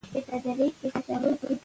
کورني ملاتړ د میل په کمولو کې مرسته کوي.